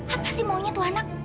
apa sih maunya tuh anak